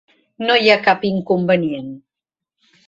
No hi ha cap inconvenient.